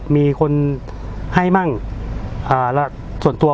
พี่ชอบจริงบอกว่าชอบทุก